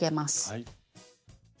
はい。